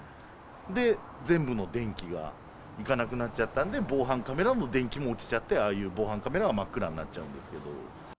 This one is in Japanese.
で、全部の電気がいかなくなっちゃったんで、防犯カメラの電気も落ちちゃって、ああいう防犯カメラは真っ暗になっちゃうんですけど。